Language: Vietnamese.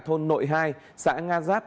thôn nội hai xã nga giác